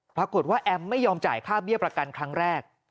แอมไม่ยอมจ่ายค่าเบี้ยประกันครั้งแรก